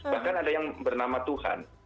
bahkan ada yang bernama tuhan